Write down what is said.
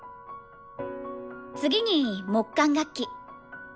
次に木管楽器。